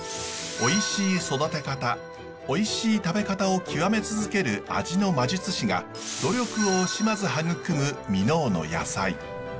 おいしい育て方おいしい食べ方を極め続ける味の魔術師が努力を惜しまず育む箕面の野菜。